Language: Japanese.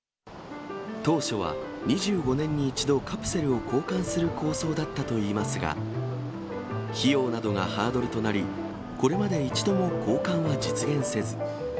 当初は、２５年に１度、カプセルを交換する構想だったといいますが、費用などがハードルとなり、これまで一度も交換は実現せず。